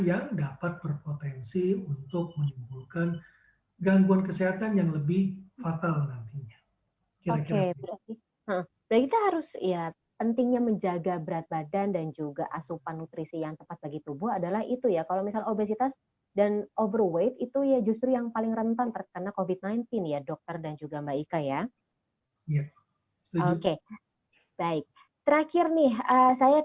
yang membuat kita itu menjadi lebih depresi ya